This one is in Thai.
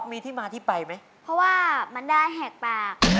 มีที่มาที่ไปไหมเพราะว่ามันได้แหกปาก